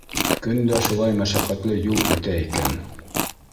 Көн дә шулай мәшәҡәтле юл үтә икән.